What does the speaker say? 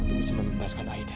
untuk bisa membebaskan aida